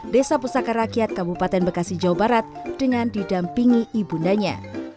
desa pusaka rakyat kabupaten bekasi jawa barat dengan didampingi ibundanya